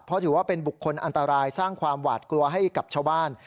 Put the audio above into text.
เพราะถือว่าเป็นบุคคลอันตรายสร้างความหวาดกลัวให้กับชาวบ้าน